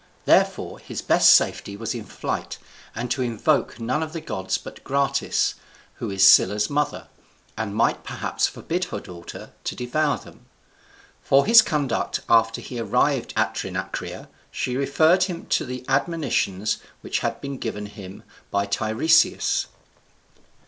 Therefore, his best safety was in flight, and to invoke none of the gods but Gratis, who is Scylla's mother, and might perhaps forbid her daughter to devour them. For his conduct after he arrived at Trinacria she referred him to the admonitions which had been given him by Tiresias.